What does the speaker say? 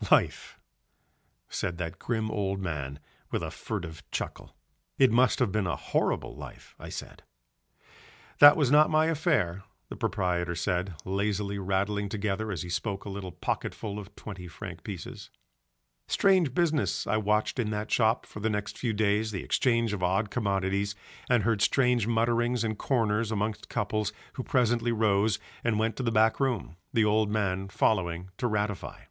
"Life," said that grim old man with a furtive chuckle. "It must have been a horrible life," I said. "That was not my affair," the proprietor said, lazily rattling together as he spoke a little pocketful of twenty franc pieces. Strange business I watched in that shop for the next few days, the exchange of odd commodities, and heard strange mutterings in corners amongst couples who presently rose and went to the back room, the old man following to ratify.